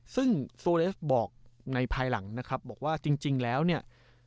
ซึ่งโซเลสบอกในภายหลังนะครับบอกว่าจริงแล้วเนี่ย